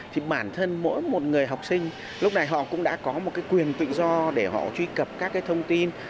thì bản thân mỗi một người học sinh lúc này họ cũng đã có một cái quyền tự do để họ truy cập các cái thông tin